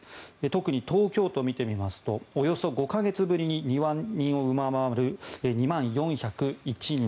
特に東京都を見てみますとおよそ５か月ぶりに２万人を上回る２万４０１人。